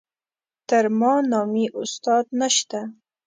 تر ما نامي استاد نشته.